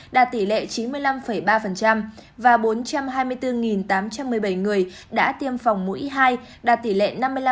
đạt tỷ lệ chín mươi năm ba và bốn trăm hai mươi bốn tám trăm một mươi bảy người đã tiêm phòng mũi hai đạt tỷ lệ năm mươi năm